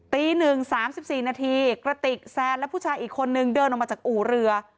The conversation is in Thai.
ตี๑๓๔นาทีกระติกแซนและผู้ชายอีกคนนึงเดินออกมาจากอู่เรือ